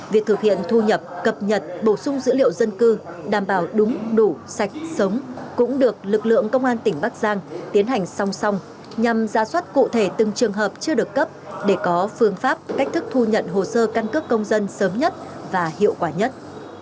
việc thực hiện thu nhập cập nhật bổ sung dữ liệu dân cư đảm bảo đúng đủ sạch sống cũng được lực lượng công an tỉnh bắc giang tiến hành song song nhằm ra soát cụ thể từng trường hợp chưa được cấp để có phương pháp cách thức thu nhận hồ sơ căn cước công dân sớm nhất và hiệu quả nhất